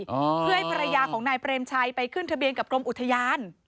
เพื่อให้ภรรยาของนายเปรมชัยไปขึ้นทะเบียนกับกรมอุทยาน